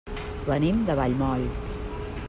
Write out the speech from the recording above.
Venim de Vallmoll.